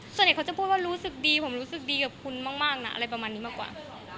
ส่วนใหญ่เขาจะพูดว่ารู้สึกดีผมรู้สึกดีกับคุณมากนะอะไรประมาณนี้มากกว่า